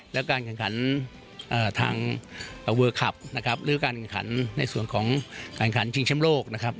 แล้วการกันขันทางเวอร์คลับนะครับหรือการกันขันในส่วนของการกันขันชิงเชียมโลกนะครับ